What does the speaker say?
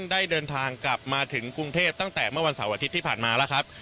ได้เดินทางกลับมาถึงกรุงเทพตั้งแต่เมื่อวันเสาร์อาทิตย์ที่ผ่านมาแล้วครับ